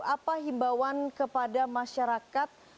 apa himbawan kepada masyarakat